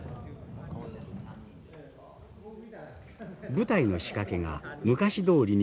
舞台の仕掛けが昔どおりに動く。